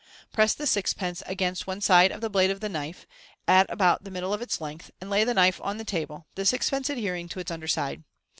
Press the six pence against one side of the blade of the knife, at about the middle of its length, and lay the knife on the table, the sixpence adhering to its under side.